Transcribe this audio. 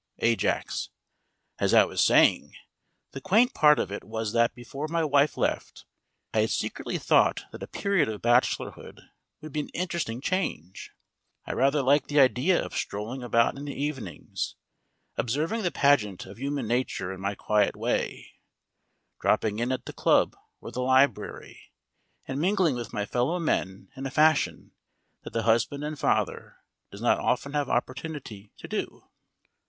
AJAX: As I was saying, the quaint part of it was that before my wife left I had secretly thought that a period of bachelorhood would be an interesting change. I rather liked the idea of strolling about in the evenings, observing the pageant of human nature in my quiet way, dropping in at the club or the library, and mingling with my fellow men in a fashion that the husband and father does not often have opportunity to do.